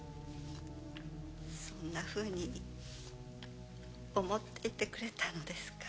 そんなふうに思っていてくれたのですか。